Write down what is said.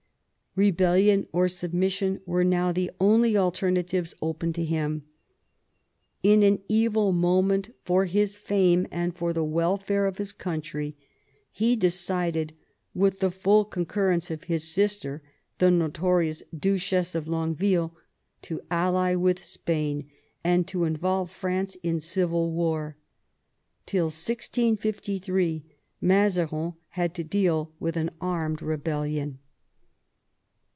Rebellion or submission were now the only alternatives open to him. In an evil moment for his fame and for the welfare of his country he decided, with the full con currence of his sister, the notorious Duchess of Longue ville, to ally with Spain, and to involve France in civil war. Till 1653 Mazarin had to deal with an armed rebellion.